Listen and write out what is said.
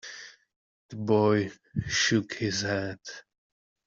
The boy shook his head.